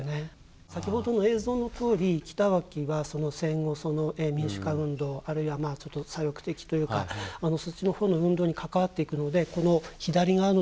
先ほどの映像のとおり北脇は戦後その民主化運動あるいはちょっと左翼的というかそっちのほうの運動に関わっていくのでこの左側のですね